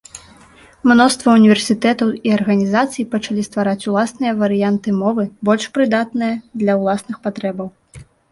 Мноства універсітэтаў і арганізацый пачалі ствараць уласныя варыянты мовы, больш прыдатная для ўласных патрэбаў.